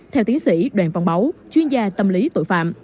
theo tiến sĩ đoàn văn báu chuyên gia tâm lý tội phạm